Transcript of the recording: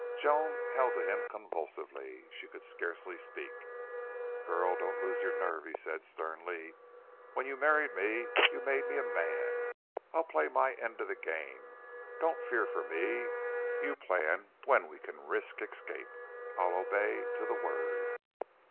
Joan held to him convulsively. She could scarcely speak. "Girl, don't lose your nerve!" he said, sternly. "When you married me you made me a man. I'll play my end of the game. Don't fear for me. You plan when we can risk escape. I'll obey you to the word."